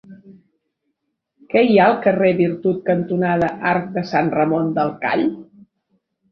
Què hi ha al carrer Virtut cantonada Arc de Sant Ramon del Call?